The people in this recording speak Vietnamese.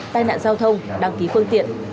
tai nạn giao thông đăng ký phương tiện